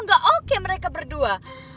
gak oke mereka berdua